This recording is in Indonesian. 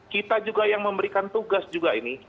kita juga yang memberikan tugas juga ini